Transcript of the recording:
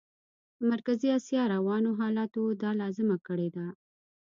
د مرکزي اسیا روانو حالاتو دا لازمه کړې ده.